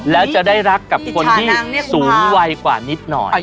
แล้วจะได้รักกับคนที่สูงวัยกว่านิดหน่อย